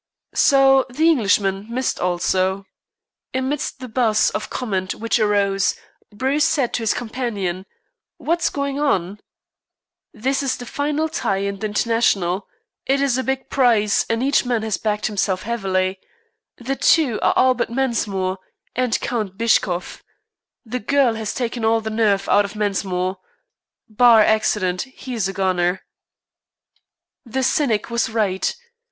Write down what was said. So the Englishman missed also. Amidst the buzz of comment which arose, Bruce said to his companion: "What's going on?" "This is the final tie in the International. It is a big prize, and each man has backed himself heavily. The two are Albert Mensmore and Count Bischkoff. The girl has taken all the nerve out of Mensmore. Bar accident, he is a goner." The cynic was right.